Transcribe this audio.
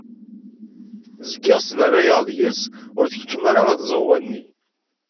Zgiɣ sberrayeɣ deg-s ur tkeččem ara ɣer tzeɣwa-nni.